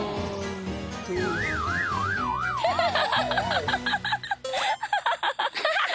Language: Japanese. ハハハハ。